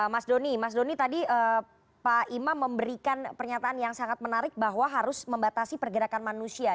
mas doni mas doni tadi pak imam memberikan pernyataan yang sangat menarik bahwa harus membatasi pergerakan manusia